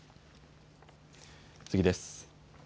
次です。